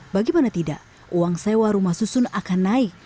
bagaimana tidak uang sewa rumah susun akan naik